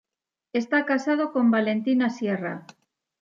Está casado con Valentina Sierra.